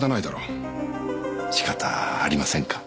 仕方ありませんか。